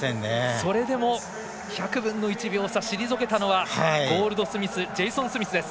それでも１００分の１秒差、退けたのはジェイソン・スミスです。